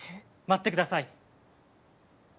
待ってください。